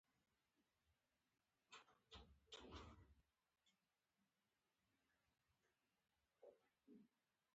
زه په ټلویزیون کې خبر وینم.